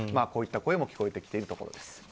こういった声も聞こえているということです。